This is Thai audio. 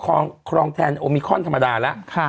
ครองแทนโอมิคอนธรรมดาแล้ว